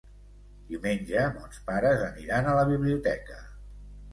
Diumenge mons pares aniran a la biblioteca.